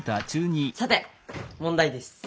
さて問題です！